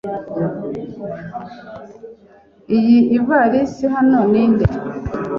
Iyi ivarisi hano ni nde?